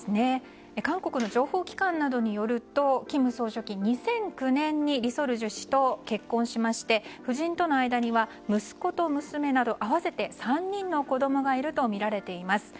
韓国の情報機関などによると金総書記、２００９年にリ・ソルジュ氏と結婚しまして、夫人との間には息子と娘など合わせて３人の子供がいるとみられています。